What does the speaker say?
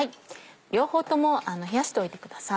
両方とも冷やしておいてください。